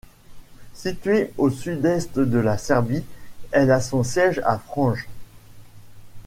Située au sud-est de la Serbie, elle a son siège à Vranje.